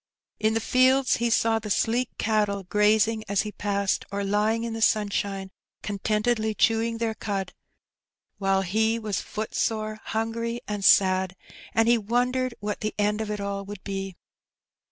In the fields he saw the sleek cattle grazing as he passed^ or lying in the snnshine con tentedly chewing their cud, while he was footsore^ hungry, and sad, and he wondered what the end of it all would be.